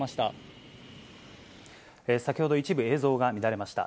先ほど、一部、映像が乱れました。